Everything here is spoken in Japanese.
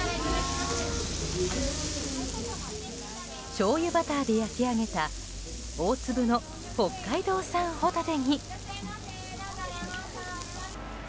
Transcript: しょうゆバターで焼き上げた大粒の北海道産ホタテに。